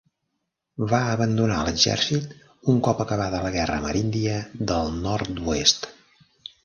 Va abandonar l'exèrcit un cop acabada la Guerra Ameríndia del Nord-oest.